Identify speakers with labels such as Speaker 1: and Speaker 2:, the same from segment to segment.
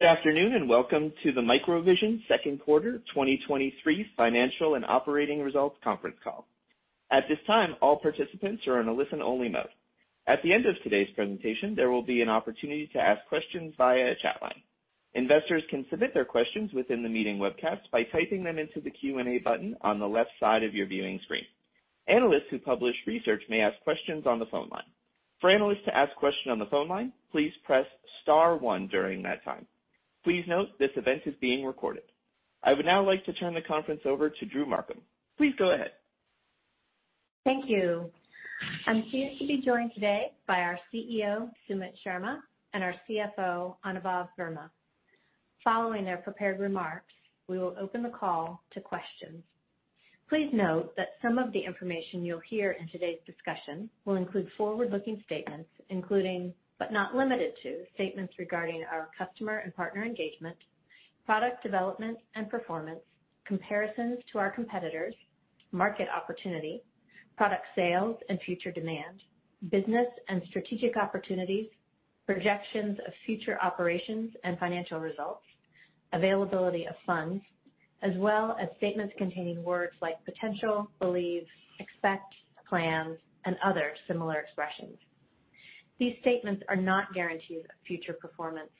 Speaker 1: Good afternoon, and welcome to the MicroVision second quarter 2023 financial and operating results conference call. At this time, all participants are on a listen-only mode. At the end of today's presentation, there will be an opportunity to ask questions via a chat line. Investors can submit their questions within the meeting webcast by typing them into the Q&A button on the left side of your viewing screen. Analysts who publish research may ask questions on the phone line. For analysts to ask questions on the phone line, please press star one during that time. Please note, this event is being recorded. I would now like to turn the conference over to Drew Markham. Please go ahead.
Speaker 2: Thank you. I'm pleased to be joined today by our CEO, Sumit Sharma, and our CFO, Anubhav Verma. Following their prepared remarks, we will open the call to questions. Please note that some of the information you'll hear in today's discussion will include forward-looking statements, including, but not limited to, statements regarding our customer and partner engagement, product development and performance, comparisons to our competitors, market opportunity, product sales and future demand, business and strategic opportunities, projections of future operations and financial results, availability of funds, as well as statements containing words like potential, believe, expect, plans, and other similar expressions. These statements are not guarantees of future performance.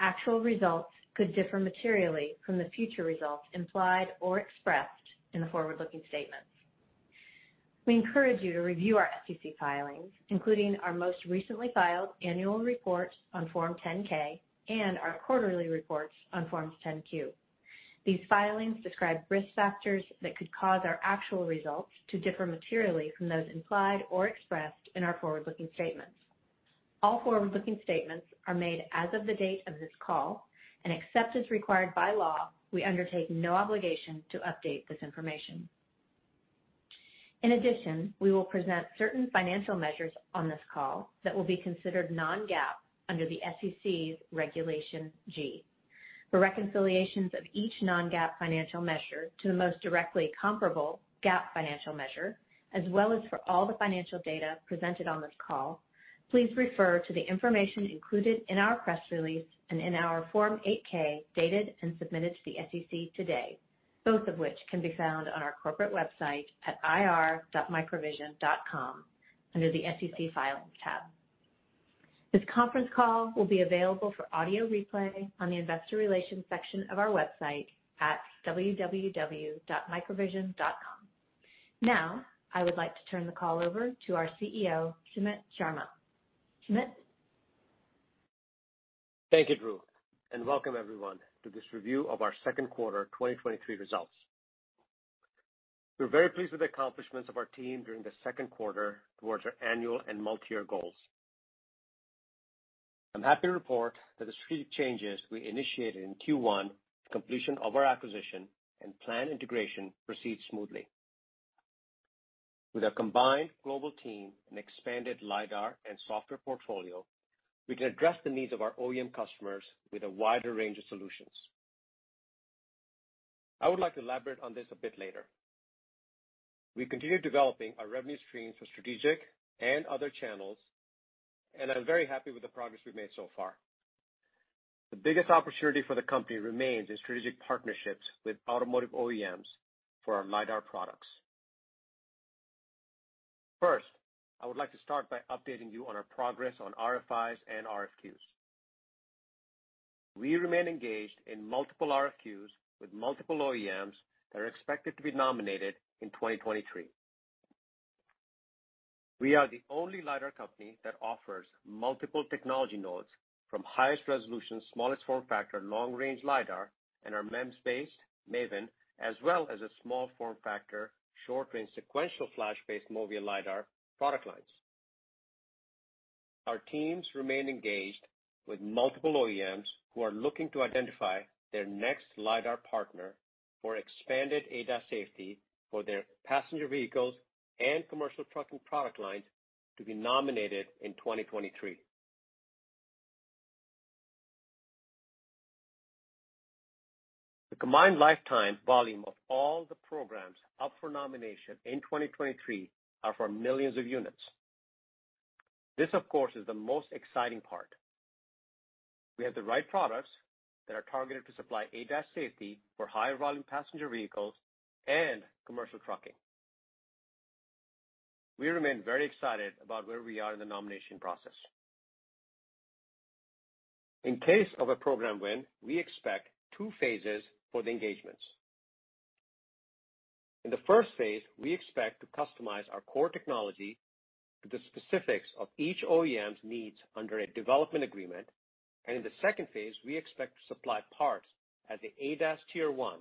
Speaker 2: Actual results could differ materially from the future results implied or expressed in the forward-looking statements. We encourage you to review our SEC filings, including our most recently filed annual report on Form 10-K and our quarterly reports on Form 10-Q. These filings describe risk factors that could cause our actual results to differ materially from those implied or expressed in our forward-looking statements. All forward-looking statements are made as of the date of this call. Except as required by law, we undertake no obligation to update this information. In addition, we will present certain financial measures on this call that will be considered non-GAAP under the SEC's Regulation G. For reconciliations of each non-GAAP financial measure to the most directly comparable GAAP financial measure, as well as for all the financial data presented on this call, please refer to the information included in our press release and in our Form 8-K, dated and submitted to the SEC today, both of which can be found on our corporate website at ir.microvision.com, under the SEC filings tab. This conference call will be available for audio replay on the investor relations section of our website at www.microvision.com. Now, I would like to turn the call over to our CEO, Sumit Sharma. Sumit?
Speaker 3: Thank you, Drew, and welcome everyone to this review of our second quarter 2023 results. We're very pleased with the accomplishments of our team during the second quarter towards our annual and multi-year goals. I'm happy to report that the strategic changes we initiated in Q1, completion of our acquisition and plan integration, proceeded smoothly. With our combined global team and expanded LiDAR and software portfolio, we can address the needs of our OEM customers with a wider range of solutions. I would like to elaborate on this a bit later. We continued developing our revenue streams for strategic and other channels, and I'm very happy with the progress we've made so far. The biggest opportunity for the company remains in strategic partnerships with automotive OEMs for our LiDAR products. First, I would like to start by updating you on our progress on RFIs and RFQs. We remain engaged in multiple RFQs with multiple OEMs that are expected to be nominated in 2023. We are the only LiDAR company that offers multiple technology nodes from highest resolution, smallest form factor, long-range LiDAR and our MEMS-based MAVIN, as well as a small form factor, short-range, sequential flash-based MOVIA LiDAR product lines. Our teams remain engaged with multiple OEMs who are looking to identify their next LiDAR partner for expanded ADAS safety for their passenger vehicles and commercial trucking product lines to be nominated in 2023. The combined lifetime volume of all the programs up for nomination in 2023 are for millions of units. This, of course, is the most exciting part. We have the right products that are targeted to supply ADAS safety for high-volume passenger vehicles and commercial trucking. We remain very excited about where we are in the nomination process. In case of a program win, we expect two phases for the engagements. In the first phase, we expect to customize our core technology to the specifics of each OEM's needs under a development agreement. In the second phase, we expect to supply parts as the ADAS Tier 1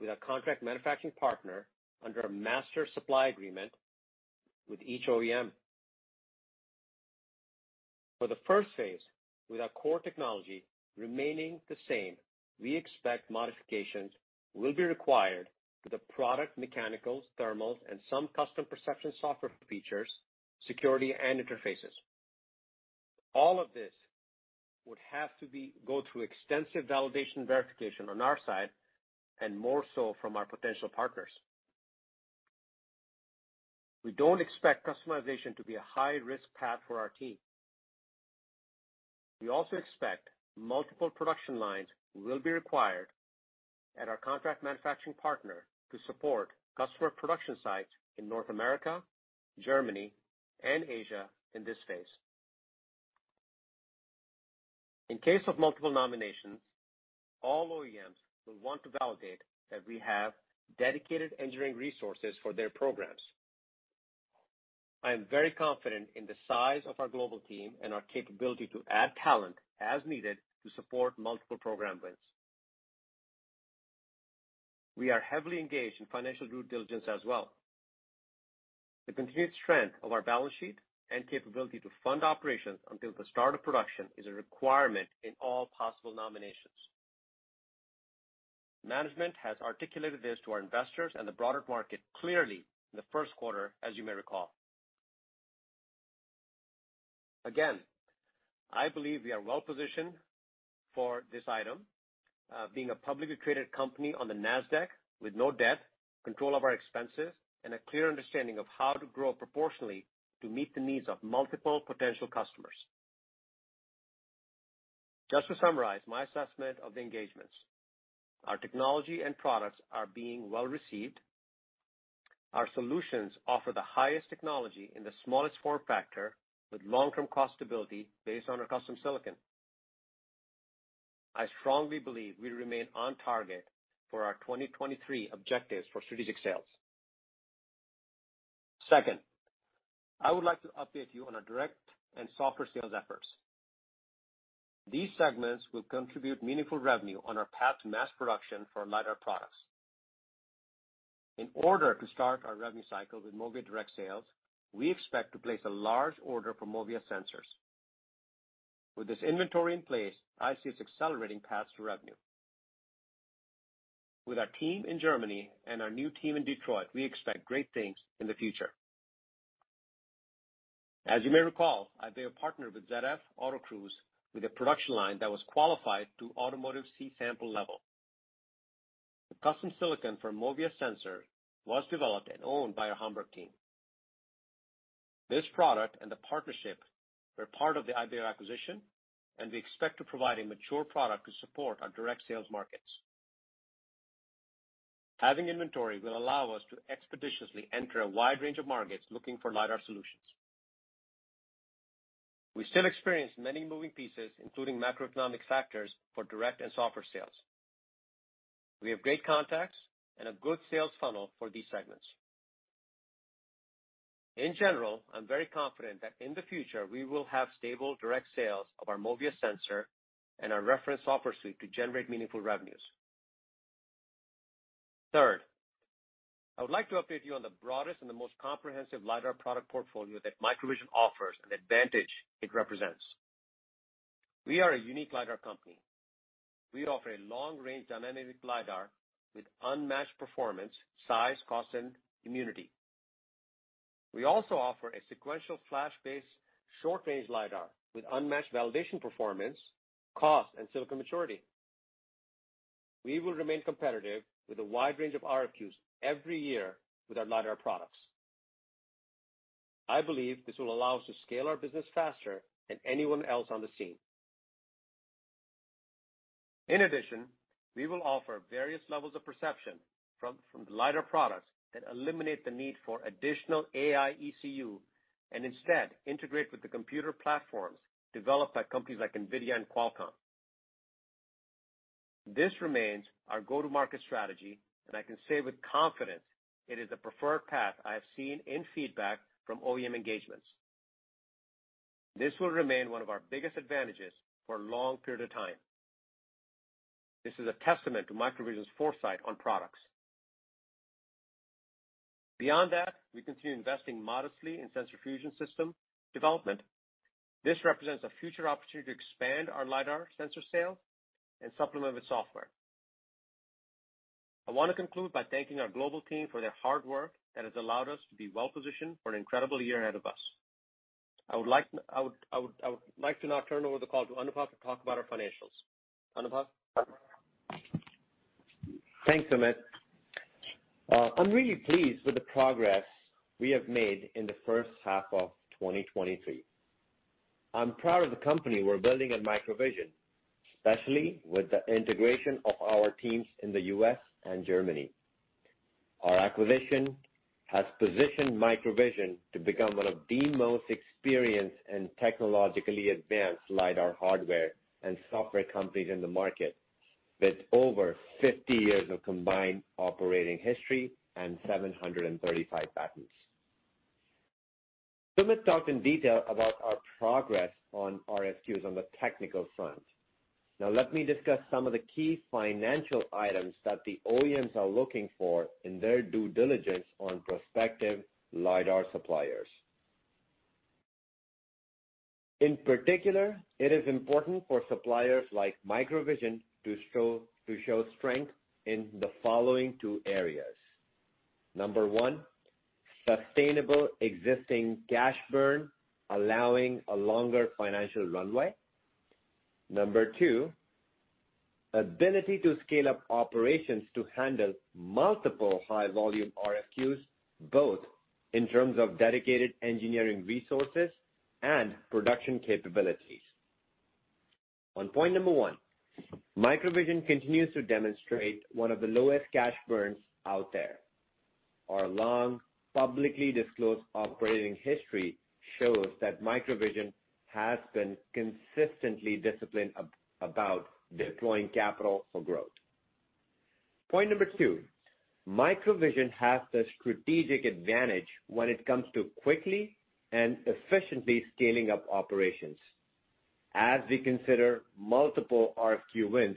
Speaker 3: with our contract manufacturing partner under a master supply agreement with each OEM. For the phase I, with our core technology remaining the same, we expect modifications will be required for the product mechanicals, thermals, and some custom perception software features, security, and interfaces. All of this would have to go through extensive validation, verification on our side, and more so from our potential partners. We don't expect customization to be a high-risk path for our team. We also expect multiple production lines will be required at our contract manufacturing partner to support customer production sites in North America, Germany, and Asia in this phase. In case of multiple nominations, all OEMs will want to validate that we have dedicated engineering resources for their programs. I am very confident in the size of our global team and our capability to add talent as needed to support multiple program wins. We are heavily engaged in financial due diligence as well. The continued strength of our balance sheet and capability to fund operations until the start of production is a requirement in all possible nominations. Management has articulated this to our investors and the broader market clearly in the first quarter, as you may recall. Again, I believe we are well positioned for this item, being a publicly traded company on the Nasdaq with no debt, control of our expenses, and a clear understanding of how to grow proportionally to meet the needs of multiple potential customers. Just to summarize my assessment of the engagements, our technology and products are being well received. Our solutions offer the highest technology in the smallest form factor, with long-term cost stability based on our custom silicon. I strongly believe we remain on target for our 2023 objectives for strategic sales. Second, I would like to update you on our direct and software sales efforts. These segments will contribute meaningful revenue on our path to mass production for LiDAR products. In order to start our revenue cycle with Movia direct sales, we expect to place a large order for Movia sensors. With this inventory in place, I see us accelerating paths to revenue. With our team in Germany and our new team in Detroit, we expect great things in the future. As you may recall, I've been a partner with ZF Autocruise, with a production line that was qualified to automotive C-sample level. The custom silicon for MOVIA sensor was developed and owned by our Hamburg team. This product and the partnership were part of the Ibeo acquisition, and we expect to provide a mature product to support our direct sales markets. Having inventory will allow us to expeditiously enter a wide range of markets looking for LiDAR solutions. We still experience many moving pieces, including macroeconomic factors, for direct and software sales. We have great contacts and a good sales funnel for these segments. In general, I'm very confident that in the future we will have stable direct sales of our MOVIA sensor and our reference software suite to generate meaningful revenues. Third, I would like to update you on the broadest and the most comprehensive LiDAR product portfolio that MicroVision offers and the advantage it represents. We are a unique LiDAR company. We offer a long-range dynamic LiDAR with unmatched performance, size, cost, and immunity. We also offer a sequential flash-based, short-range LiDAR with unmatched validation, performance, cost, and silicon maturity. We will remain competitive with a wide range of RFQs every year with our LiDAR products. I believe this will allow us to scale our business faster than anyone else on the scene. In addition, we will offer various levels of perception from the LiDAR products that eliminate the need for additional AI ECU, and instead integrate with the computer platforms developed by companies like NVIDIA and Qualcomm. This remains our go-to-market strategy. I can say with confidence it is the preferred path I have seen in feedback from OEM engagements. This will remain one of our biggest advantages for a long period of time. This is a testament to MicroVision's foresight on products. Beyond that, we continue investing modestly in sensor fusion system development. This represents a future opportunity to expand our LiDAR sensor sales and supplement with software. I want to conclude by thanking our global team for their hard work that has allowed us to be well positioned for an incredible year ahead of us. I would like to now turn over the call to Anubhav to talk about our financials. Anubhav?
Speaker 4: Thanks, Sumit. I'm really pleased with the progress we have made in the first half of 2023. I'm proud of the company we're building at MicroVision, especially with the integration of our teams in the U.S. and Germany. Our acquisition has positioned MicroVision to become one of the most experienced and technologically advanced LiDAR hardware and software companies in the market, with over 50 years of combined operating history and 735 patents. Sumit talked in detail about our progress on RFQs on the technical front. Now let me discuss some of the key financial items that the OEMs are looking for in their due diligence on prospective LiDAR suppliers. In particular, it is important for suppliers like MicroVision to show strength in the following two areas. 1. Sustainable existing cash burn, allowing a longer financial runway. 2. Ability to scale up operations to handle multiple high-volume RFQs, both in terms of dedicated engineering resources and production capabilities. On point number one, MicroVision continues to demonstrate one of the lowest cash burns out there. Our long, publicly disclosed operating history shows that MicroVision has been consistently disciplined about deploying capital for growth. Point number two, MicroVision has the strategic advantage when it comes to quickly and efficiently scaling up operations. As we consider multiple RFQ wins,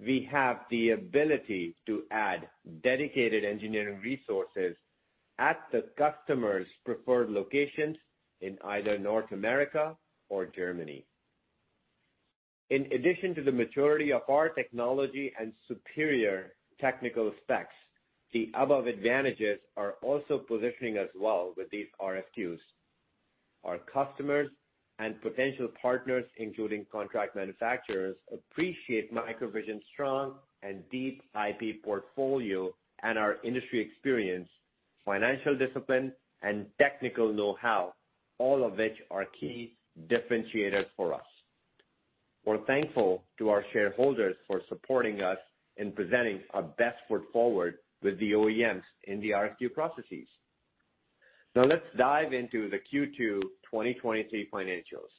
Speaker 4: we have the ability to add dedicated engineering resources at the customer's preferred locations in either North America or Germany. In addition to the maturity of our technology and superior technical specs, the above advantages are also positioning us well with these RFQs. Our customers and potential partners, including contract manufacturers, appreciate MicroVision's strong and deep IP portfolio and our industry experience, financial discipline, and technical know-how, all of which are key differentiators for us. We're thankful to our shareholders for supporting us in presenting our best foot forward with the OEMs in the RFQ processes. Let's dive into the Q2 2023 financials.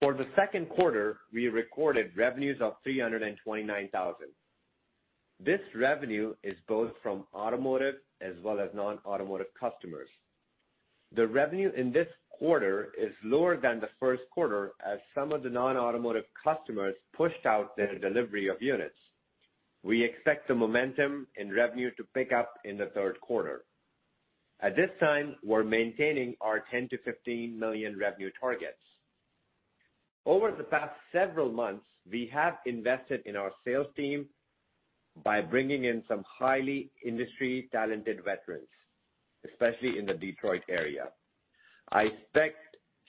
Speaker 4: For the second quarter, we recorded revenues of $329,000. This revenue is both from automotive as well as non-automotive customers. The revenue in this quarter is lower than the first quarter, as some of the non-automotive customers pushed out their delivery of units. We expect the momentum in revenue to pick up in the third quarter. At this time, we're maintaining our $10 million-$15 million revenue targets. Over the past several months, we have invested in our sales team by bringing in some highly industry talented veterans, especially in the Detroit area. I expect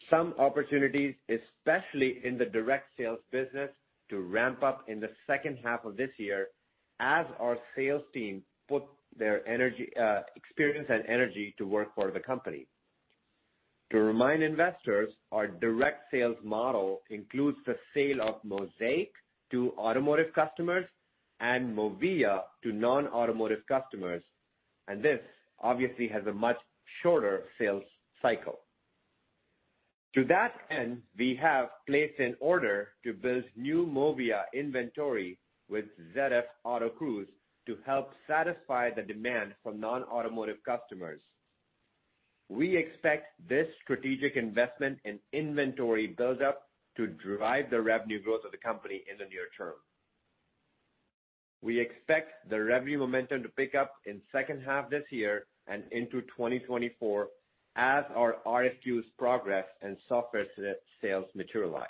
Speaker 4: some opportunities, especially in the direct sales business, to ramp up in the second half of this year as our sales team put their energy, experience and energy to work for the company. To remind investors, our direct sales model includes the sale of MOSAIK to automotive customers and MOVIA to non-automotive customers. This obviously has a much shorter sales cycle. To that end, we have placed an order to build new MOVIA inventory with ZF Autocruise to help satisfy the demand from non-automotive customers. We expect this strategic investment and inventory build-up to drive the revenue growth of the company in the near term. We expect the revenue momentum to pick up in second half this year and into 2024 as our RFQs progress and software sales materialize.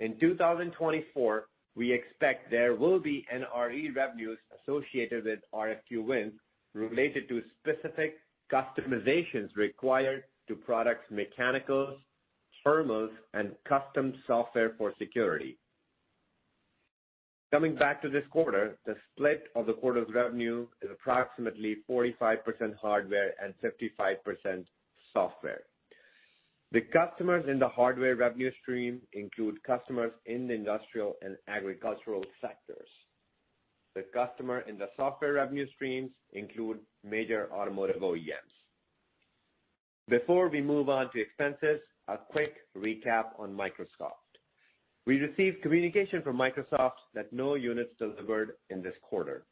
Speaker 4: In 2024, we expect there will be NRE revenues associated with RFQ wins related to specific customizations required to products, mechanicals, firmwares, and custom software for security. Coming back to this quarter, the split of the quarter's revenue is approximately 45% hardware and 55% software. The customers in the hardware revenue stream include customers in the industrial and agricultural sectors. The customer in the software revenue streams include major automotive OEMs. Before we move on to expenses, a quick recap on Microsoft. We received communication from Microsoft that no units delivered in this quarter.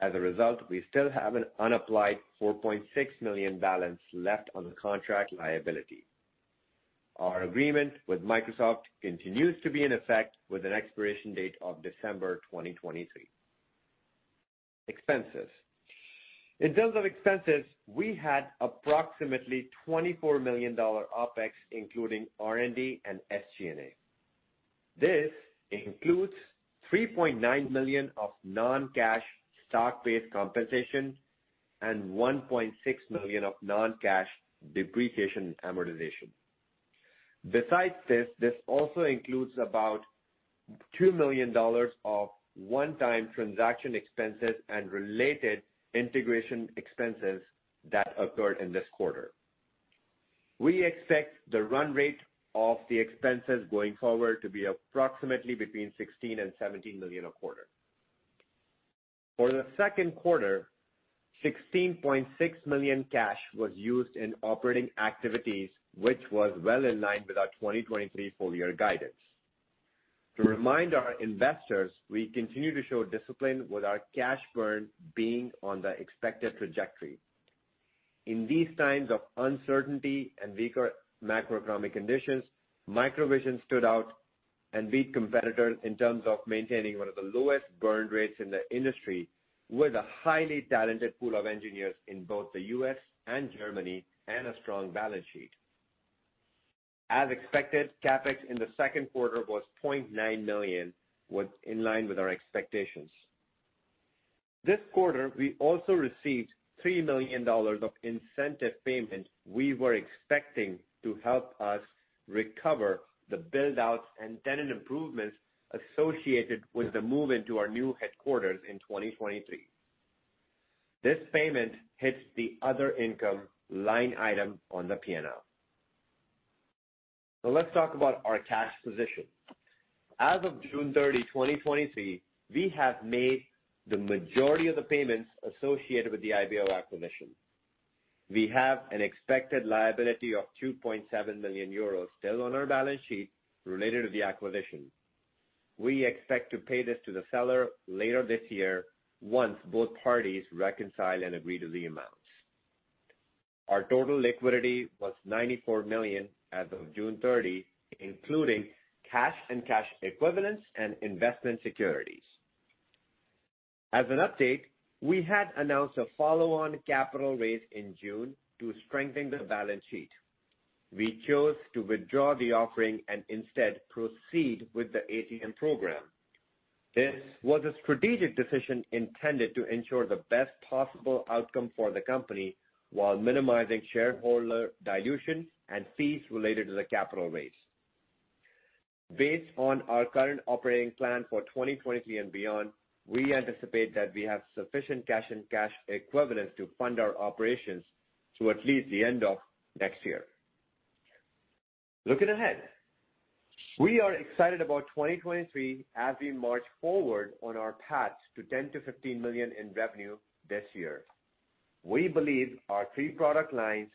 Speaker 4: As a result, we still have an unapplied $4.6 million balance left on the contract liability. Our agreement with Microsoft continues to be in effect, with an expiration date of December 2023. Expenses. In terms of expenses, we had approximately $24 million OpEx, including R&D and SG&A. This includes $3.9 million of non-cash stock-based compensation and $1.6 million of non-cash depreciation amortization. Besides this, this also includes about $2 million of one-time transaction expenses and related integration expenses that occurred in this quarter. We expect the run rate of the expenses going forward to be approximately between $16 million-$17 million a quarter. For the second quarter, $16.6 million cash was used in operating activities, which was well in line with our 2023 full year guidance. To remind our investors, we continue to show discipline with our cash burn being on the expected trajectory. In these times of uncertainty and weaker macroeconomic conditions, MicroVision stood out and beat competitors in terms of maintaining one of the lowest burn rates in the industry, with a highly talented pool of engineers in both the U.S. and Germany, and a strong balance sheet. As expected, CapEx in the second quarter was $0.9 million, was in line with our expectations. This quarter, we also received $3 million of incentive payments we were expecting to help us recover the build-outs and tenant improvements associated with the move into our new headquarters in 2023. This payment hits the other income line item on the P&L. Let's talk about our cash position. As of June 30, 2023, we have made the majority of the payments associated with the Ibeo acquisition. We have an expected liability of 2.7 million euros still on our balance sheet related to the acquisition. We expect to pay this to the seller later this year once both parties reconcile and agree to the amounts. Our total liquidity was $94 million as of June 30, including cash and cash equivalents and investment securities. As an update, we had announced a follow-on capital raise in June to strengthen the balance sheet. We chose to withdraw the offering and instead proceed with the ATM program. This was a strategic decision intended to ensure the best possible outcome for the company, while minimizing shareholder dilution and fees related to the capital raise. Based on our current operating plan for 2023 and beyond, we anticipate that we have sufficient cash and cash equivalents to fund our operations through at least the end of next year. Looking ahead, we are excited about 2023 as we march forward on our path to $10 million-$15 million in revenue this year. We believe our three product lines,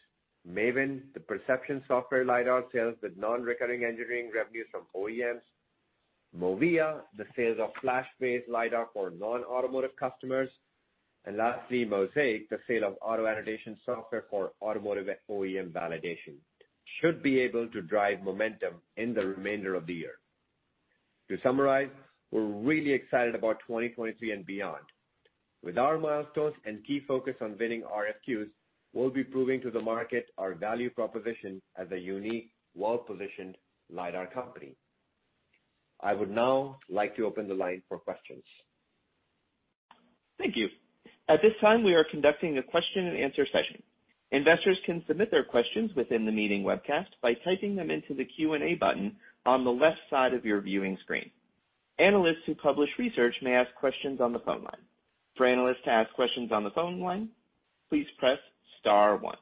Speaker 4: MAVIN, the perception software LiDAR sales with non-recurring engineering revenues from OEMs, MOVIA, the sales of flash-based LiDAR for non-automotive customers, and lastly, MOSAIK, the sale of auto-annotation software for automotive OEM validation, should be able to drive momentum in the remainder of the year. To summarize, we're really excited about 2023 and beyond. With our milestones and key focus on winning RFQs, we'll be proving to the market our value proposition as a unique, well-positioned LiDAR company. I would now like to open the line for questions.
Speaker 1: Thank you. At this time, we are conducting a question and answer session. Investors can submit their questions within the meeting webcast by typing them into the Q&A button on the left side of your viewing screen. Analysts who publish research may ask questions on the phone line. For analysts to ask questions on the phone line, please press star one.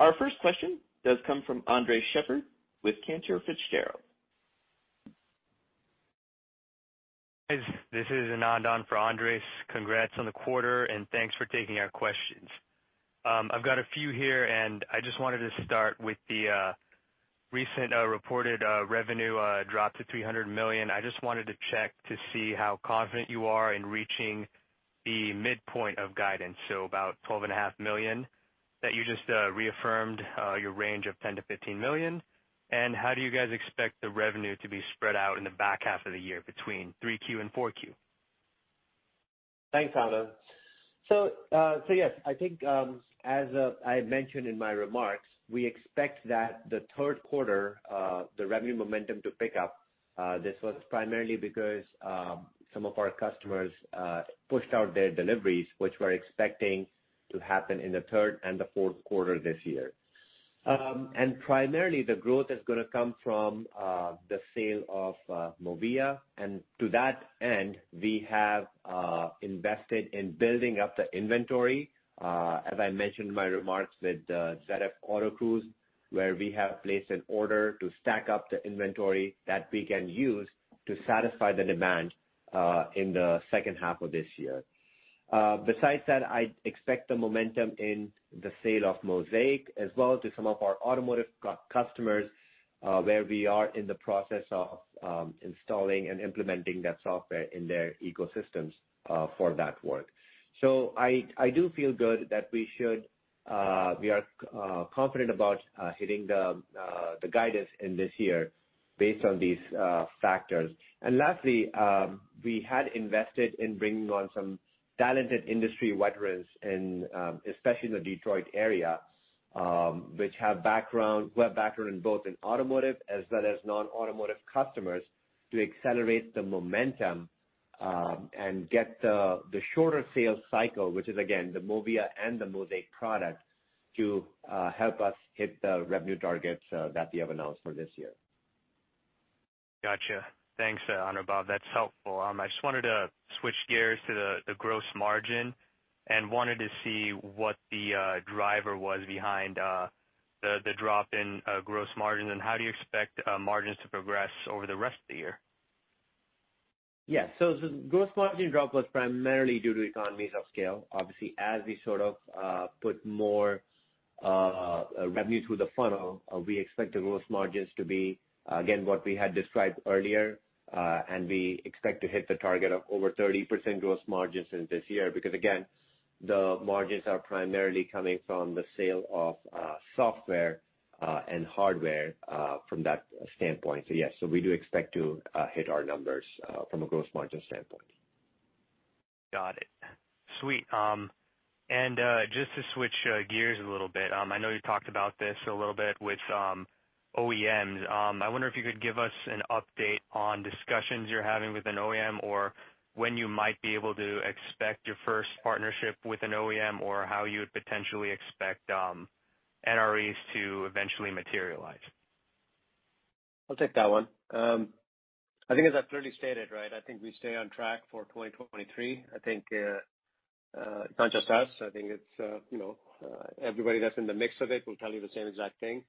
Speaker 1: Our first question does come from Andres Sheppard with Cantor Fitzgerald.
Speaker 5: This is Anand for Andres. Congrats on the quarter, and thanks for taking our questions. I've got a few here, and I just wanted to start with the recent reported revenue drop to $300 million. I just wanted to check to see how confident you are in reaching the midpoint of guidance, so about $12.5 million, that you just reaffirmed your range of $10 million-$15 million. How do you guys expect the revenue to be spread out in the back half of the year between 3Q and 4Q?
Speaker 4: Thanks, Anand. Yes, I think, as I had mentioned in my remarks, we expect that the third quarter, the revenue momentum to pick up. This was primarily because some of our customers pushed out their deliveries, which we're expecting to happen in the third and the fourth quarter this year. Primarily, the growth is gonna come from the sale of MOVIA, and to that end, we have invested in building up the inventory. As I mentioned in my remarks, with the ZF Autocruise, where we have placed an order to stack up the inventory that we can use to satisfy the demand in the second half of this year. Besides that, I expect the momentum in the sale of MOSAIK, as well as to some of our automotive customers, where we are in the process of installing and implementing that software in their ecosystems for that work. I, I do feel good that we should, we are confident about hitting the guidance in this year based on these factors. Lastly, we had invested in bringing on some talented industry veterans in, especially in the Detroit area, who have background in both in automotive as well as non-automotive customers, to accelerate the momentum and get the shorter sales cycle, which is, again, the MOVIA and the MOSAIK product, to help us hit the revenue targets that we have announced for this year.
Speaker 5: Gotcha. Thanks, Anubhav. That's helpful. I just wanted to switch gears to the gross margin and wanted to see what the driver was behind the drop in gross margin, and how do you expect margins to progress over the rest of the year?
Speaker 4: Yeah. The gross margin drop was primarily due to economies of scale. Obviously, as we sort of put more revenue through the funnel, we expect the gross margins to be, again, what we had described earlier. And we expect to hit the target of over 30% gross margins in this year, because, again, the margins are primarily coming from the sale of software and hardware from that standpoint. Yes, so we do expect to hit our numbers from a gross margin standpoint.
Speaker 5: Got it. Sweet. Just to switch gears a little bit. I know you talked about this a little bit with OEMs. I wonder if you could give us an update on discussions you're having with an OEM, or when you might be able to expect your first partnership with an OEM, or how you would potentially expect NREs to eventually materialize.
Speaker 3: I'll take that one. I think as I've clearly stated, right, I think we stay on track for 2023. I think, not just us, I think it's, you know, everybody that's in the mix of it will tell you the same exact thing.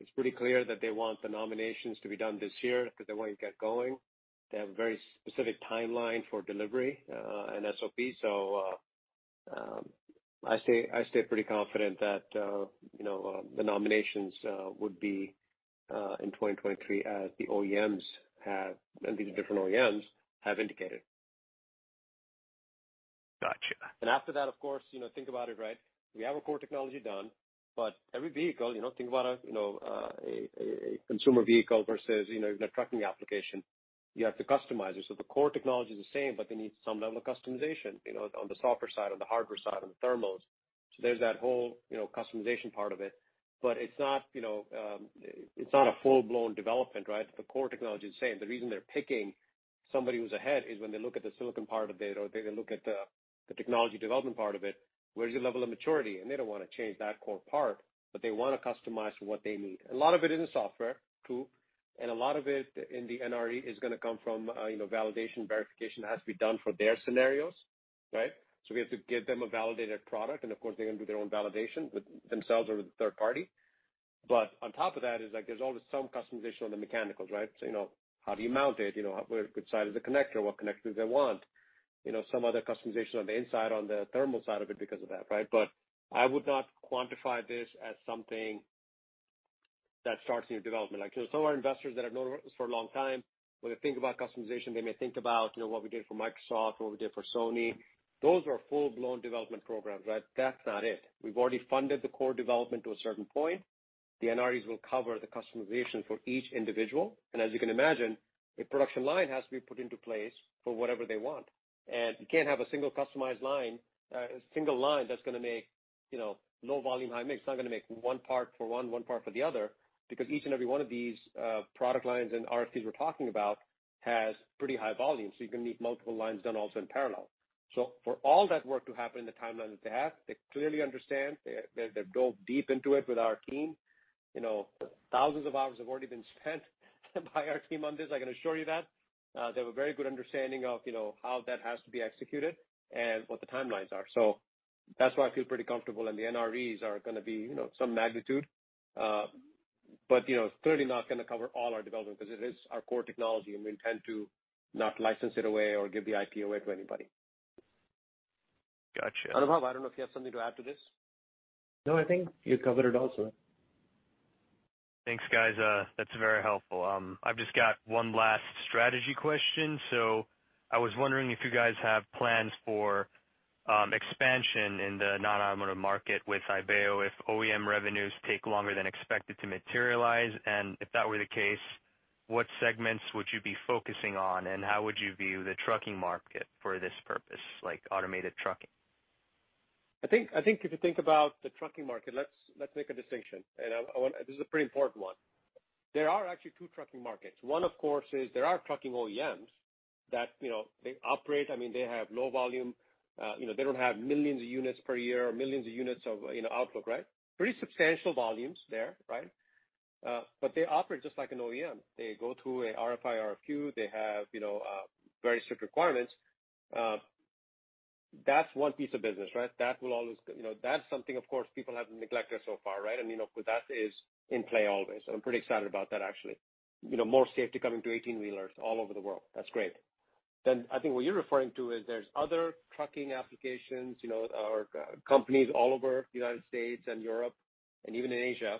Speaker 3: It's pretty clear that they want the nominations to be done this year because they want to get going. They have a very specific timeline for delivery, and SOP. I stay, I stay pretty confident that, you know, the nominations would be in 2023, as the OEMs have, and these different OEMs have indicated.
Speaker 5: Gotcha.
Speaker 3: After that, of course, you know, think about it, right? Every vehicle, you know, think about a, you know, a consumer vehicle versus, you know, a trucking application. You have to customize it. The core technology is the same, but they need some level of customization, you know, on the software side, on the hardware side, on the thermals. There's that whole, you know, customization part of it. It's not, you know, it's not a full-blown development, right? The core technology is the same. The reason they're picking somebody who's ahead is when they look at the silicon part of it, or they look at the technology development part of it, where's your level of maturity? They don't want to change that core part, but they want to customize what they need. A lot of it is in software, too, and a lot of it in the NRE is going to come from, you know, validation, verification has to be done for their scenarios, right? We have to give them a validated product, and of course, they're going to do their own validation with themselves or the third party. On top of that is, like, there's always some customization on the mechanical, right? You know, how do you mount it? You know, what, which side of the connector, what connector do they want? You know, some other customization on the inside, on the thermal side of it because of that, right? I would not quantify this as something that starts new development. Like, some of our investors that have known us for a long time, when they think about customization, they may think about, you know, what we did for Microsoft, what we did for Sony. Those were full-blown development programs, right? That's not it. We've already funded the core development to a certain point. The NREs will cover the customization for each individual, and as you can imagine, a production line has to be put into place for whatever they want. And you can't have a single customized line, a single line that's going to make, you know, low volume, high mix. It's not going to make one part for one, one part for the other, because each and every one of these product lines and RFPs we're talking about has pretty high volume, so you're going to need multiple lines done also in parallel. For all that work to happen in the timeline that they have, they clearly understand, they, they've dove deep into it with our team. You know, thousands of hours have already been spent by our team on this, I can assure you that. They have a very good understanding of, you know, how that has to be executed and what the timelines are. That's why I feel pretty comfortable, and the NREs are gonna be, you know, some magnitude, but you know, it's clearly not gonna cover all our development because it is our core technology, and we intend to not license it away or give the IP away to anybody.
Speaker 5: Gotcha.
Speaker 3: Anubhav, I don't know if you have something to add to this. No, I think you covered it also.
Speaker 5: Thanks, guys. That's very helpful. I've just got one last strategy question. I was wondering if you guys have plans for expansion in the non-automotive market with Ibeo, if OEM revenues take longer than expected to materialize, and if that were the case, what segments would you be focusing on, and how would you view the trucking market for this purpose, like automated trucking?
Speaker 3: I think, I think if you think about the trucking market, let's, let's make a distinction, and this is a pretty important one. There are actually 2 trucking markets. One, of course, is there are trucking OEMs that, you know, they operate. I mean, they have low volume, you know, they don't have millions of units per year or millions of units of, you know, outlook, right? Pretty substantial volumes there, right? But they operate just like an OEM. They go through a RFI, RFQ. They have, you know, very strict requirements. That's one piece of business, right? That will always. You know, that's something, of course, people have neglected so far, right? I mean, of course, that is in play always, so I'm pretty excited about that, actually. You know, more safety coming to 18 wheelers all over the world. That's great. I think what you're referring to is there's other trucking applications, you know, or companies all over the United States and Europe, and even in Asia,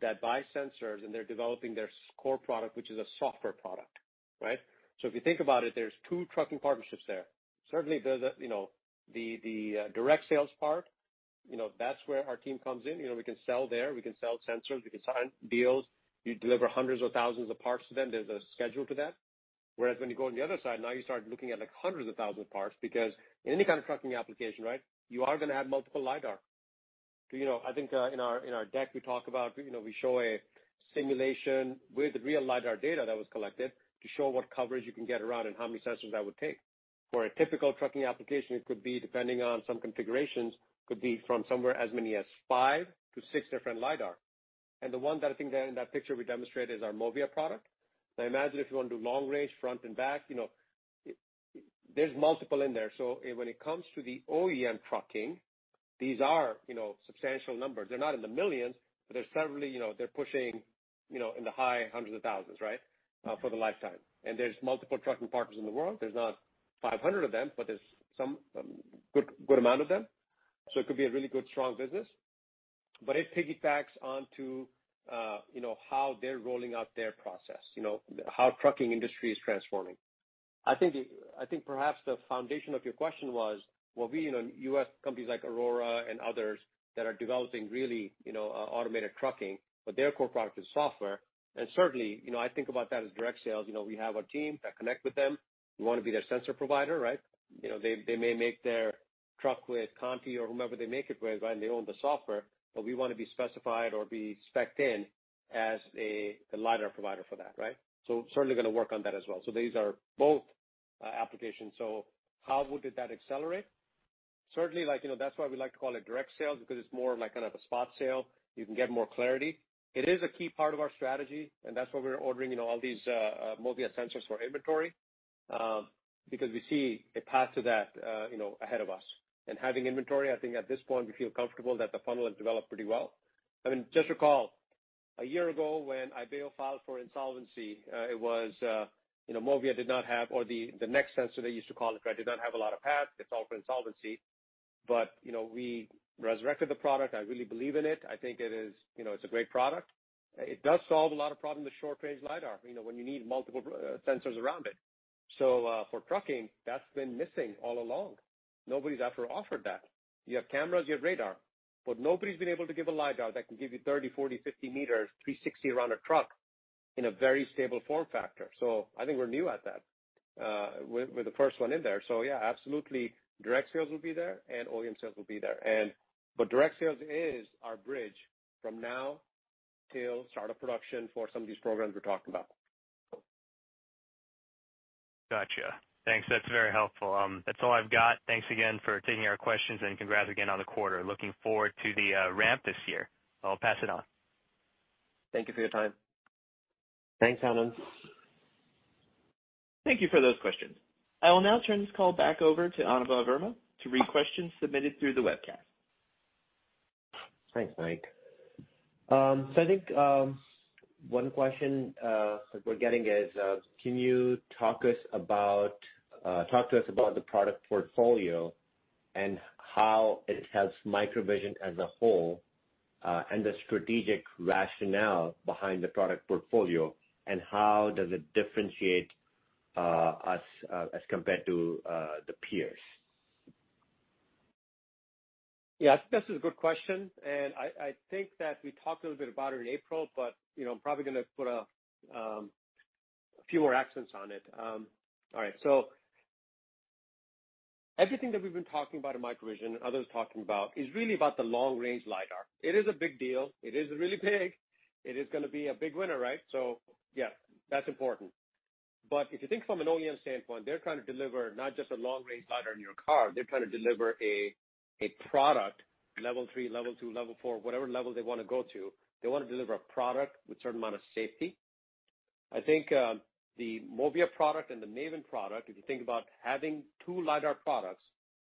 Speaker 3: that buy sensors, and they're developing their core product, which is a software product, right? If you think about it, there's two trucking partnerships there. Certainly, the, you know, the direct sales part, you know, that's where our team comes in. You know, we can sell there, we can sell sensors, we can sign deals. You deliver hundreds of thousands of parts to them. There's a schedule to that. When you go on the other side, now you start looking at, like, hundreds of thousands of parts, because any kind of trucking application, right, you are going to have multiple LiDAR. You know, I think, in our, in our deck, we talk about, you know, we show a simulation with real LiDAR data that was collected to show what coverage you can get around and how many sensors that would take. For a typical trucking application, it could be, depending on some configurations, could be from somewhere as many as five-six different LiDAR. The one that I think that in that picture we demonstrated is our MOVIA product. Now, imagine if you want to do long range, front and back, you know, there's multiple in there. When it comes to the OEM trucking, these are, you know, substantial numbers. They're not in the millions, but they're certainly, you know, they're pushing, you know, in the high hundreds of thousands, right? for the lifetime. There's multiple trucking partners in the world. There's not 500 of them, but there's some good, good amount of them. It could be a really good, strong business, but it piggybacks onto, you know, how they're rolling out their process. You know, how trucking industry is transforming. I think, I think perhaps the foundation of your question was, will we, you know, U.S. companies like Aurora and others that are developing really, you know, automated trucking, but their core product is software. Certainly, you know, I think about that as direct sales. You know, we have a team that connect with them. We want to be their sensor provider, right? You know, they, they may make their truck with Conti or whomever they make it with, right, and they own the software, but we want to be specified or be specced in as a, the LiDAR provider for that, right? Certainly going to work on that as well. These are both applications. How would that accelerate? Certainly, like, you know, that's why we like to call it direct sales, because it's more of like kind of a spot sale. You can get more clarity. It is a key part of our strategy, and that's why we're ordering, you know, all these MOVIA sensors for inventory, because we see a path to that, you know, ahead of us. Having inventory, I think at this point, we feel comfortable that the funnel has developed pretty well. I mean, just recall, a year ago, when Ibeo filed for insolvency, it was, you know, MOVIA did not have or the, the next sensor they used to call it, right, did not have a lot of path. It's all for insolvency. You know, we resurrected the product. I really believe in it. I think it is, you know, it's a great product. It does solve a lot of problem with short-range LiDAR, you know, when you need multiple sensors around it. For trucking, that's been missing all along. Nobody's ever offered that. You have cameras, you have radar, but nobody's been able to give a LiDAR that can give you 30, 40, 50 meters, 360 around a truck in a very stable form factor. I think we're new at that. We're the first one in there. Yeah, absolutely, direct sales will be there, and OEM sales will be there. Direct sales is our bridge from now till start of production for some of these programs we're talking about.
Speaker 5: Gotcha. Thanks. That's very helpful. That's all I've got. Thanks again for taking our questions, and congrats again on the quarter. Looking forward to the ramp this year. I'll pass it on.
Speaker 3: Thank you for your time.
Speaker 4: Thanks, Anand.
Speaker 1: Thank you for those questions. I will now turn this call back over to Anubhav Verma to read questions submitted through the webcast.
Speaker 4: Thanks, Mike. I think, one question that we're getting is, can you talk to us about the product portfolio and how it helps MicroVision as a whole, and the strategic rationale behind the product portfolio, and how does it differentiate us as compared to the peers?
Speaker 3: Yeah, this is a good question, I, I think that we talked a little bit about it in April, but, you know, I'm probably gonna put a few more accents on it. All right, everything that we've been talking about in MicroVision and others talking about is really about the long-range LiDAR. It is a big deal. It is really big. It is gonna be a big winner, right? Yeah, that's important. If you think from an OEM standpoint, they're trying to deliver not just a long-range LiDAR in your car, they're trying to deliver a, a product, Level 3, Level 2, Level 4, whatever level they wanna go to, they wanna deliver a product with a certain amount of safety. I think, the MOVIA product and the MAVIN product, if you think about having two LiDAR products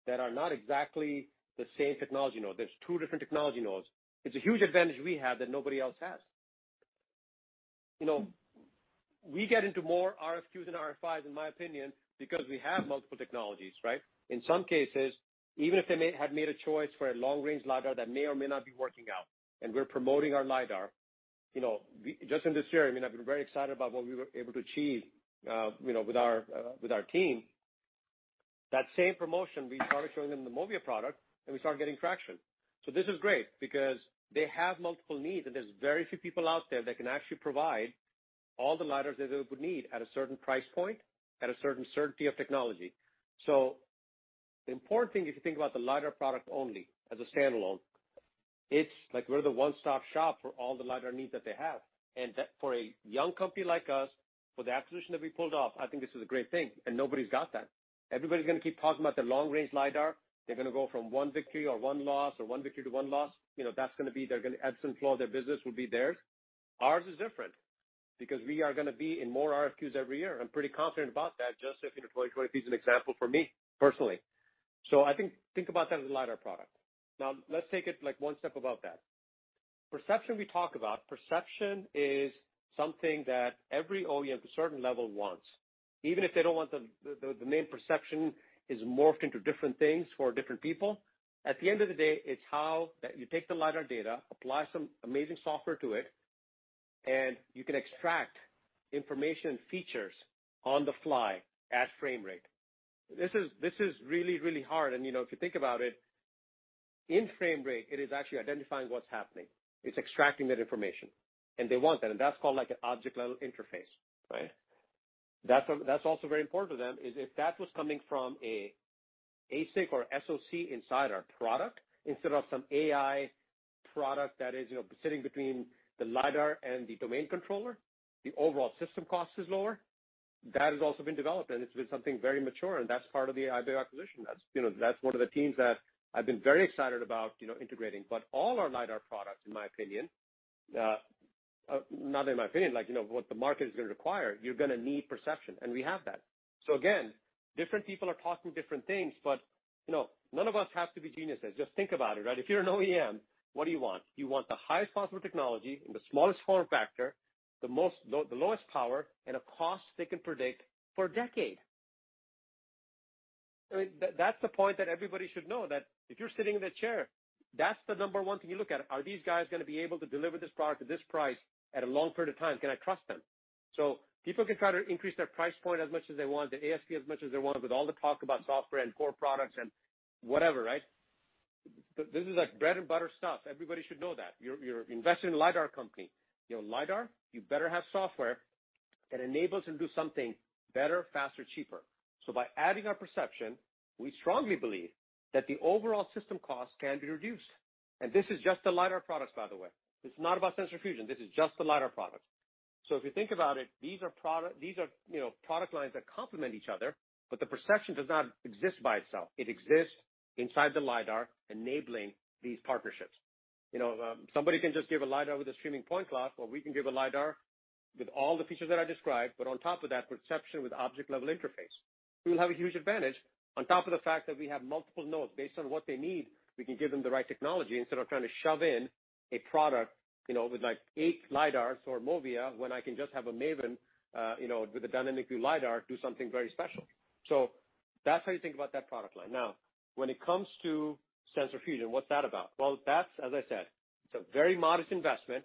Speaker 3: that are not exactly the same technology node, there's two different technology nodes. It's a huge advantage we have that nobody else has. You know, we get into more RFQs and RFIs, in my opinion, because we have multiple technologies, right? In some cases, even if they may have made a choice for a long-range LiDAR, that may or may not be working out, and we're promoting our LiDAR. You know, we-- just in this year, I mean, I've been very excited about what we were able to achieve, you know, with our, with our team. That same promotion, we started showing them the MOVIA product, and we started getting traction. This is great because they have multiple needs, and there's very few people out there that can actually provide all the LiDARs that they would need at a certain price point, at a certain certainty of technology. The important thing, if you think about the LiDAR product only as a standalone, it's like we're the one-stop shop for all the LiDAR needs that they have. That for a young company like us, for the acquisition that we pulled off, I think this is a great thing, and nobody's got that. Everybody's gonna keep talking about the long-range LiDAR. They're gonna go from one victory or one loss or one victory to one loss. You know, that's gonna be they're gonna ebbs and flow, their business will be theirs. Ours is different because we are gonna be in more RFQs every year. I'm pretty confident about that, just if in 2023 is an example for me, personally. I think, think about that as a LiDAR product. Let's take it like one step above that. Perception we talk about, perception is something that every OEM to a certain level wants, even if they don't want the, the, the main perception is morphed into different things for different people. At the end of the day, it's how that you take the LiDAR data, apply some amazing software to it, and you can extract information features on the fly at frame rate. This is, this is really, really hard and, you know, if you think about it, in frame rate, it is actually identifying what's happening. It's extracting that information, and they want that, and that's called, like, an object-level interface, right? That's, that's also very important to them, is if that was coming from a ASIC or SoC inside our product, instead of some AI product that is, you know, sitting between the LiDAR and the domain controller, the overall system cost is lower. That has also been developed, and it's been something very mature, and that's part of the Ibeo acquisition. That's, you know, that's one of the teams that I've been very excited about, you know, integrating. All our LiDAR products, in my opinion, not in my opinion, like, you know, what the market is gonna require, you're gonna need perception, and we have that. Again, different people are talking different things, but, you know, none of us have to be geniuses. Just think about it, right? If you're an OEM, what do you want? You want the highest possible technology in the smallest form factor, the lowest power, and a cost they can predict for a decade. I mean, that's the point that everybody should know, that if you're sitting in the chair, that's the number one thing you look at. Are these guys gonna be able to deliver this product at this price at a long period of time? Can I trust them? People can try to increase their price point as much as they want, the ASP as much as they want, with all the talk about software and core products and whatever, right? This is like bread and butter stuff. Everybody should know that. You're, you're investing in a LiDAR company. You know, LiDAR, you better have software that enables them to do something better, faster, cheaper. By adding our perception, we strongly believe that the overall system costs can be reduced. This is just the LiDAR products, by the way. It's not about sensor fusion, this is just the LiDAR products. If you think about it, these are product lines that complement each other, but the perception does not exist by itself. It exists inside the LiDAR, enabling these partnerships. You know, somebody can just give a LiDAR with a streaming point cloud, or we can give a LiDAR with all the features that I described, but on top of that, perception with object-level interface. We will have a huge advantage on top of the fact that we have multiple nodes. Based on what they need, we can give them the right technology instead of trying to shove in a product, you know, with like eight LiDARs or MOVIA, when I can just have a MAVIN, you know, with a dynamically LiDAR, do something very special. That's how you think about that product line. Now, when it comes to sensor fusion, what's that about? Well, that's, as I said, it's a very modest investment.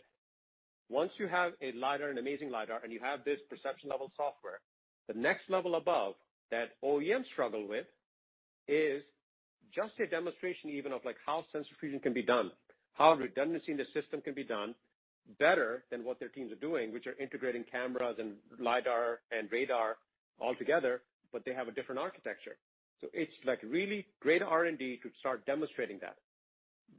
Speaker 3: Once you have a LiDAR, an amazing LiDAR, and you have this perception-level software, the next level above that OEMs struggle with is just a demonstration even of, like, how sensor fusion can be done, how redundancy in the system can be done better than what their teams are doing, which are integrating cameras and LiDAR and radar all together, but they have a different architecture. It's like really great R&D to start demonstrating that.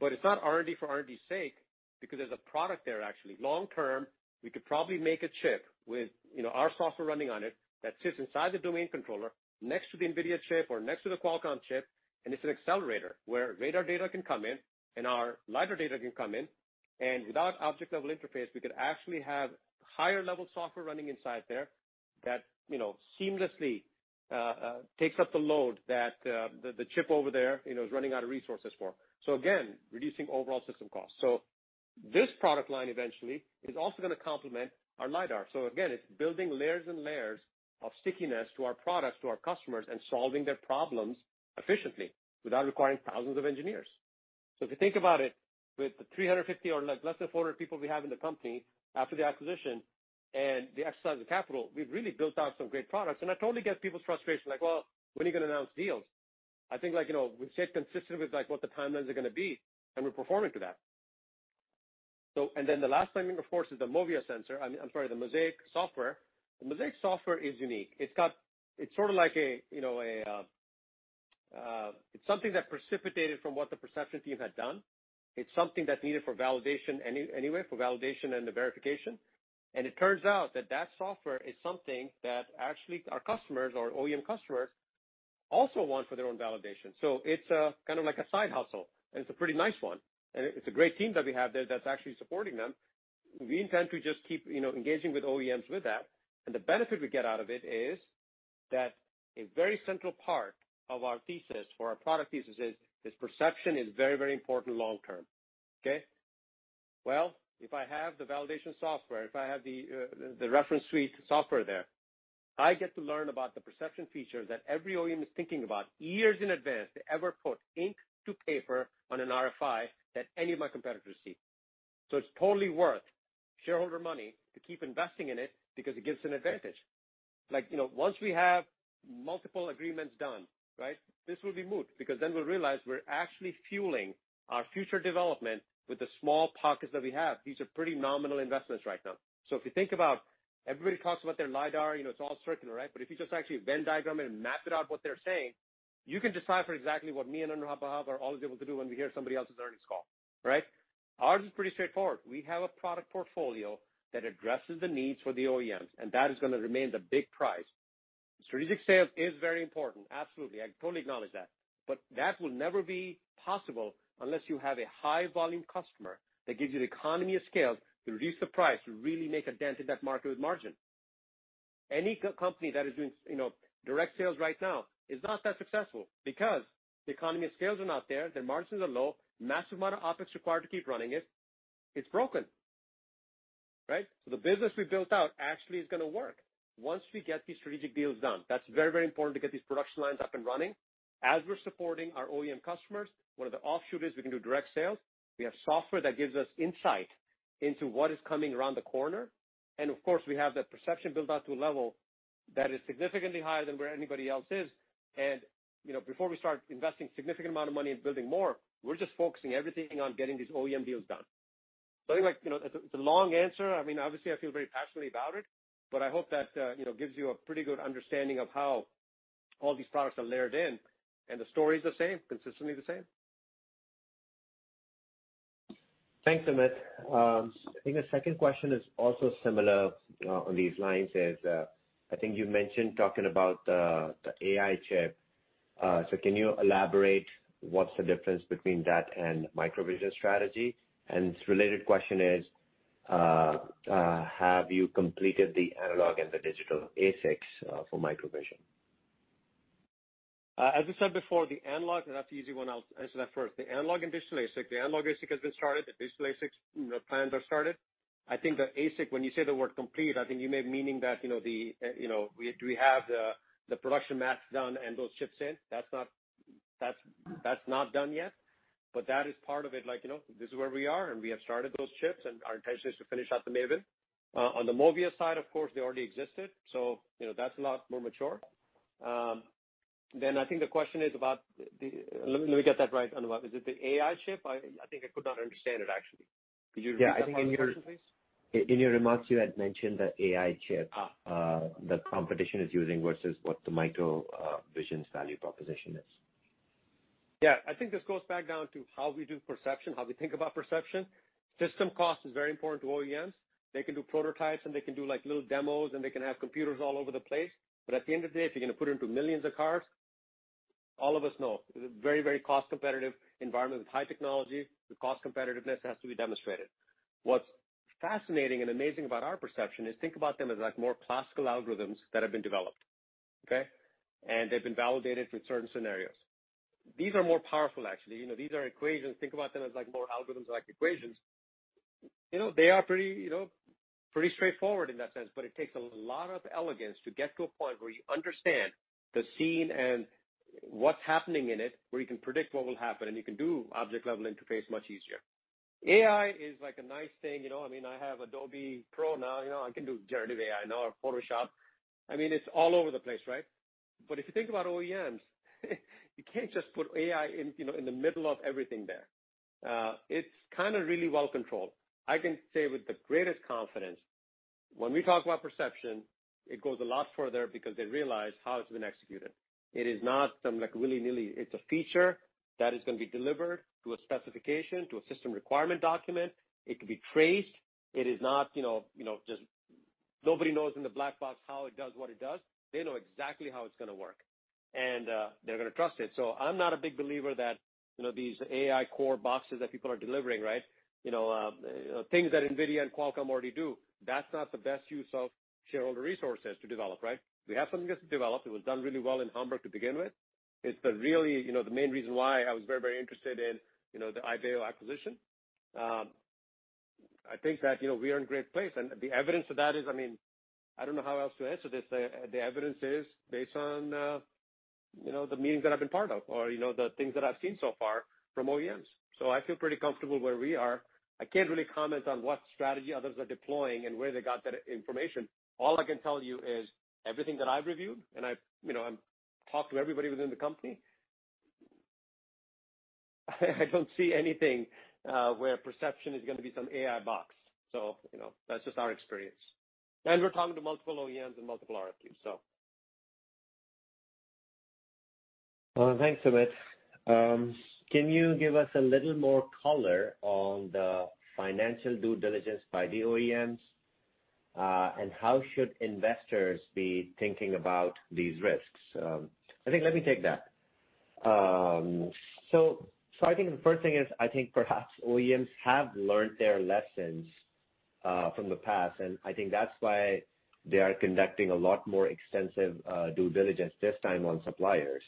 Speaker 3: It's not R&D for R&D's sake, because there's a product there, actually. Long term, we could probably make a chip with, you know, our software running on it that sits inside the domain controller next to the NVIDIA chip or next to the Qualcomm chip, and it's an accelerator where radar data can come in and our LiDAR data can come in, and without object-level interface, we could actually have higher-level software running inside there that, you know, seamlessly takes up the load that the, the chip over there, you know, is running out of resources for. Again, reducing overall system costs. This product line eventually is also gonna complement our LiDAR. Again, it's building layers and layers of stickiness to our products, to our customers, and solving their problems efficiently without requiring thousands of engineers. If you think about it, with the 350 or less, less than 400 people we have in the company after the acquisition and the exercise of capital, we've really built out some great products. I totally get people's frustration, like, "Well, when are you gonna announce deals?" I think, like, you know, we've stayed consistent with, like, what the timelines are gonna be, and we're performing to that. Then the last thing, of course, is the MOVIA sensor. I'm sorry, the MOSAIK software. The MOSAIK software is unique. It's sort of like a, you know, a, it's something that precipitated from what the perception team had done. It's something that's needed for validation anyway, for validation and the verification. It turns out that that software is something that actually our customers, our OEM customers, also want for their own validation. It's, kind of like a side hustle, and it's a pretty nice one, and it's a great team that we have there that's actually supporting them. We intend to just keep, you know, engaging with OEMs with that. The benefit we get out of it is that a very central part of our thesis, for our product thesis is, is perception is very, very important long term, okay? Well, if I have the validation software, if I have the reference suite software there, I get to learn about the perception features that every OEM is thinking about years in advance to ever put ink to paper on an RFI that any of my competitors see. It's totally worth shareholder money to keep investing in it because it gives an advantage. Like, you know, once we have multiple agreements done, right, this will be moot, because then we'll realize we're actually fueling our future development with the small pockets that we have. These are pretty nominal investments right now. If you think about everybody talks about their LiDAR, you know, it's all circular, right? If you just actually Venn diagram it and map it out what they're saying, you can decipher exactly what me and Anubhav are always able to do when we hear somebody else's earnings call, right? Ours is pretty straightforward. We have a product portfolio that addresses the needs for the OEMs, and that is gonna remain the big prize. Strategic sales is very important, absolutely. I totally acknowledge that. That will never be possible unless you have a high-volume customer that gives you the economy of scale to reduce the price, to really make a dent in that market with margin. Any company that is doing, you know, direct sales right now is not that successful because the economy of scales are not there, their margins are low, massive amount of OpEx required to keep running it. It's broken, right? The business we built out actually is gonna work once we get these strategic deals done. That's very, very important to get these production lines up and running. As we're supporting our OEM customers, one of the offshoot is we can do direct sales. We have software that gives us insight into what is coming around the corner. Of course, we have the perception built out to a level that is significantly higher than where anybody else is. You know, before we start investing significant amount of money in building more, we're just focusing everything on getting these OEM deals done. I think, like, you know, it's a, it's a long answer. Obviously, I feel very passionately about it, but I hope that, you know, gives you a pretty good understanding of how all these products are layered in, and the story is the same, consistently the same.
Speaker 4: Thanks, Anand. I think the second question is also similar on these lines, is, I think you mentioned talking about the AI chip. Can you elaborate what's the difference between that and MicroVision strategy? Related question is, have you completed the analog and the digital ASICs for MicroVision?
Speaker 3: As I said before, the analog, and that's the easy one, I'll answer that first. The analog and digital ASIC. The analog ASIC has been started, the digital ASICs, you know, plans are started. I think the ASIC, when you say the word complete, I think you may meaning that, you know, the-- you know, we- do we have the, the production masks done and those chips in? That's not done yet, but that is part of it. Like, you know, this is where we are, and we have started those chips, and our intention is to finish out the MAVIN. On the MOVIA side, of course, they already existed, so you know, that's a lot more mature. I think the question is about the-- let, let me get that right, Anubhav. Is it the AI chip? I think I could not understand it, actually. Could you repeat that question, please?
Speaker 4: Yeah, I think in your remarks, you had mentioned the AI chip-
Speaker 3: Ah.
Speaker 4: that competition is using versus what the MicroVision's value proposition is.
Speaker 3: Yeah, I think this goes back down to how we do perception, how we think about perception. System cost is very important to OEMs. They can do prototypes, and they can do, like, little demos, and they can have computers all over the place. At the end of the day, if you're gonna put it into millions of cars, all of us know, it's a very, very cost-competitive environment with high technology. The cost competitiveness has to be demonstrated. What's fascinating and amazing about our perception is think about them as, like, more classical algorithms that have been developed, okay? They've been validated for certain scenarios. These are more powerful, actually. You know, these are equations. Think about them as, like, more algorithms, like equations. You know, they are pretty, you know, pretty straightforward in that sense, but it takes a lot of elegance to get to a point where you understand the scene and what's happening in it, where you can predict what will happen, and you can do object-level interface much easier. AI is, like, a nice thing, you know. I mean, I have Adobe Pro now, you know, I can do generative AI now or Photoshop. I mean, it's all over the place, right? If you think about OEMs, you can't just put AI in, you know, in the middle of everything there. It's kind of really well controlled. I can say with the greatest confidence, when we talk about perception, it goes a lot further because they realize how it's been executed. It is not some, like, willy-nilly. It's a feature that is gonna be delivered to a specification, to a system requirement document. It can be traced. It is not, you know, you know, just nobody knows in the black box how it does what it does. They know exactly how it's gonna work, and they're gonna trust it. I'm not a big believer that, you know, these AI core boxes that people are delivering, right? Things that NVIDIA and Qualcomm already do, that's not the best use of shareholder resources to develop, right? We have something that's developed. It was done really well in Hamburg to begin with. It's the really, you know, the main reason why I was very, very interested in, you know, the Ibeo acquisition. I think that, you know, we are in a great place, and the evidence of that is, I mean, I don't know how else to answer this. The, the evidence is based on, you know, the meetings that I've been part of or, you know, the things that I've seen so far from OEMs. I feel pretty comfortable where we are. I can't really comment on what strategy others are deploying and where they got that information. All I can tell you is everything that I've reviewed, and I've, you know, I've talked to everybody within the company, I, I don't see anything where perception is gonna be some AI box. You know, that's just our experience. We're talking to multiple OEMs and multiple RFPs, so.
Speaker 4: Thanks, Sumit. Can you give us a little more color on the financial due diligence by the OEMs, and how should investors be thinking about these risks? I think let me take that. I think the first thing is, I think perhaps OEMs have learned their lessons from the past, and I think that's why they are conducting a lot more extensive due diligence this time on suppliers.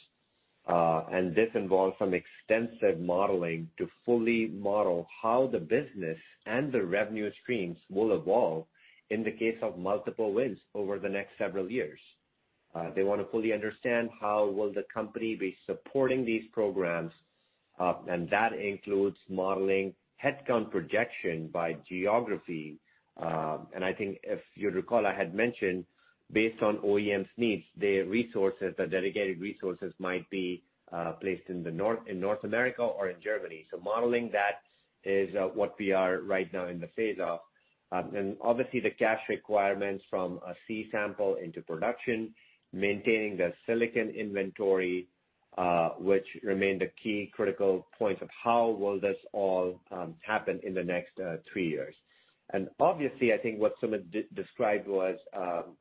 Speaker 4: This involves some extensive modeling to fully model how the business and the revenue streams will evolve in the case of multiple wins over the next several years. They wanna fully understand how will the company be supporting these programs, and that includes modeling headcount projection by geography. I think if you recall, I had mentioned, based on OEMs needs, their resources, the dedicated resources, might be placed in North America or in Germany. Modeling that is what we are right now in the phase of. Obviously, the cash requirements from a C-sample into production, maintaining the silicon inventory, which remain the key critical points of how will this all happen in the next three years. Obviously, I think what Sumit Sharma described was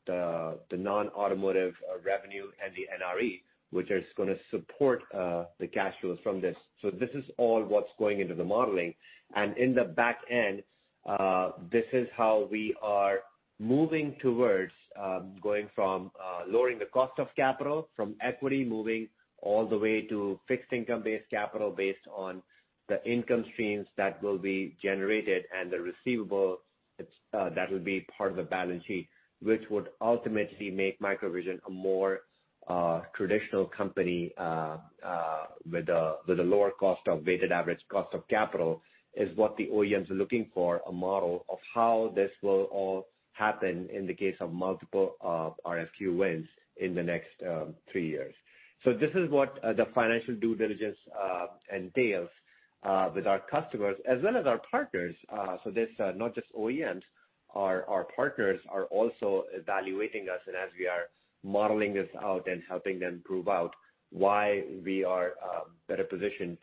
Speaker 4: the non-automotive revenue and the NRE, which is gonna support the cash flows from this. This is all what's going into the modeling. In the back end, this is how we are moving towards, going from, lowering the cost of capital, from equity, moving all the way to fixed income-based capital based on the income streams that will be generated and the receivables, that will be part of the balance sheet, which would ultimately make MicroVision a more, traditional company, with a lower weighted average cost of capital, is what the OEMs are looking for, a model of how this will all happen in the case of multiple, RFQ wins in the next, three years. This is what, the financial due diligence, entails, with our customers as well as our partners. This, not just OEMs, our, our partners are also evaluating us and as we are modeling this out and helping them prove out why we are better positioned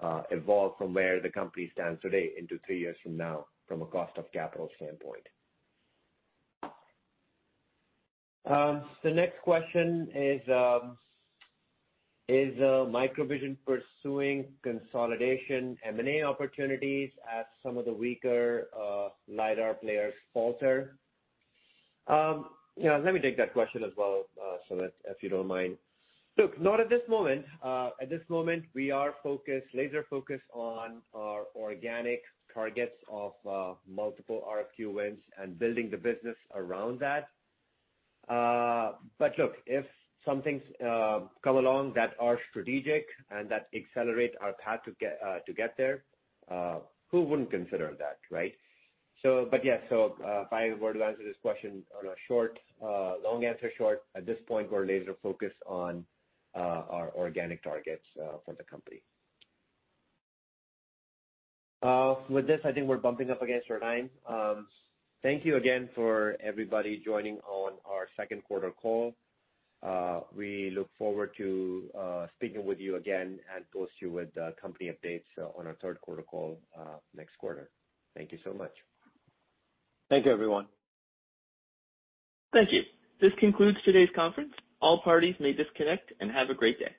Speaker 4: to evolve from where the company stands today into three years from now, from a cost of capital standpoint.
Speaker 5: The next question is: Is MicroVision pursuing consolidation M&A opportunities as some of the weaker LiDAR players falter?
Speaker 4: Yeah, let me take that question as well, Sumit, if you don't mind. Look, not at this moment. At this moment, we are focused, laser focused on our organic targets of multiple RFQ wins and building the business around that. Look, if something come along that are strategic and that accelerate our path to get to get there, who wouldn't consider that, right? Yeah, if I were to answer this question on a short, long answer short, at this point, we're laser focused on our organic targets for the company. With this, I think we're bumping up against our time. Thank you again for everybody joining on our second quarter call. We look forward to speaking with you again and post you with the company updates on our third quarter call next quarter. Thank you so much.
Speaker 3: Thank you, everyone.
Speaker 1: Thank you. This concludes today's conference. All parties may disconnect and have a great day.